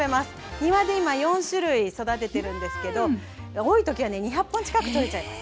庭で今４種類育ててるんですけど多いときはね２００本近くとれちゃいます。